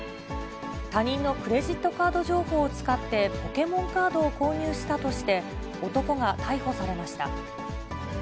他人のクレジットカード情報を使って、ポケモンカードを購入したとして、男が逮捕されました。